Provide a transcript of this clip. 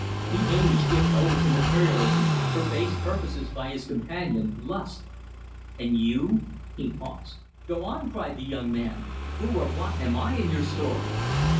'The Age' given over to 'Materialism' for base purposes by his companion, 'Lust.' And you " he paused. "Go on," cried the young man, "who or what am I in your story?"